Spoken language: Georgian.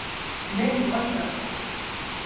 მე მიყვარს ზაფხული